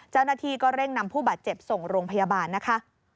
เจ้าหน้าที่ก็เร่งนำผู้บาดเจ็บส่งโรงพยาบาลนะคะ